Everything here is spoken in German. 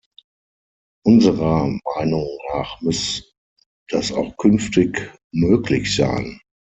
Unserer Meinung nach muss das auch künftig möglich sein.